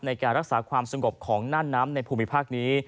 ในการรักษาความสงบของน่านน้ำในภูมิภาคนี้